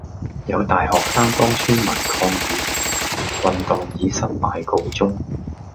有大學生幫村民抗議。運動以失敗告終